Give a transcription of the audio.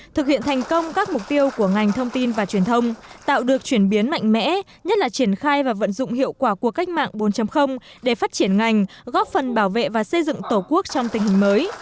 thực hiện thành công các mục tiêu của ngành thông tin và truyền thông tạo được chuyển biến mạnh mẽ nhất là triển khai và vận dụng hiệu quả của cách mạng bốn để phát triển ngành góp phần bảo vệ và xây dựng tổ quốc trong tình hình mới